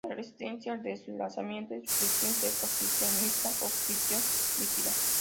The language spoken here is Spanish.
La resistencia al deslizamiento es fricción seca, fricción mixta o fricción líquida.